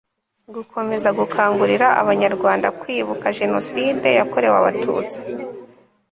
gukomeza gukangurira abanyarwanda kwibuka jenoside yakorewe abatutsi